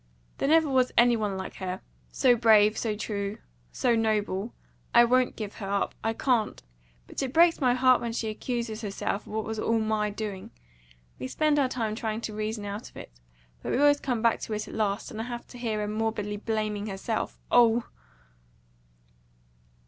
There never was any one like her so brave, so true, so noble. I won't give her up I can't. But it breaks my heart when she accuses herself of what was all MY doing. We spend our time trying to reason out of it, but we always come back to it at last, and I have to hear her morbidly blaming herself. Oh!"